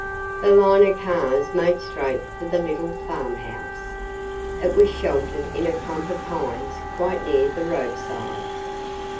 The line of cars made straight for the little farmhouse. It was sheltered in a clump of pines quite near the roadside.